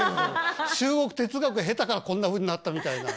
中国哲学を経たからこんなふうになったみたいな。